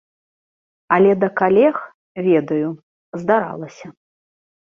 Але да калег, ведаю, здаралася.